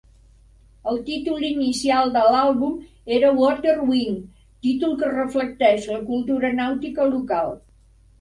El títol inicial de l'àlbum era "Water Wings", títol que reflecteix la cultura nàutica local.